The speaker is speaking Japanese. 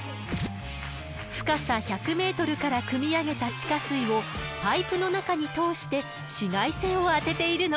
深さ１００メートルからくみ上げた地下水をパイプの中に通して紫外線を当てているの。